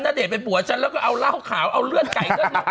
ณเดชน์เป็นผัวฉันแล้วก็เอาเหล้าข่าวเอาเลือดไก่